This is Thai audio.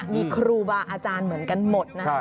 มีครูบาอาจารย์เหมือนกันหมดนะครับ